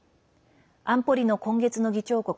安保理の今月の議長国